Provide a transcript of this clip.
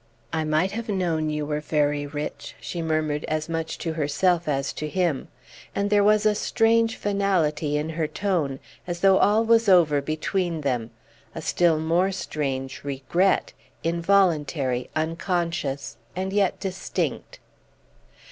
"I might have known you were very rich," she murmured, as much to herself as to him; and there was a strange finality in her tone, as though all was over between them; a still more strange regret, involuntary, unconscious, and yet distinct.